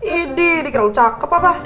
ini dikira lo cakep apa